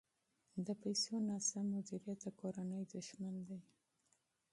د پیسو ناسم مدیریت د کورنۍ دښمن دی.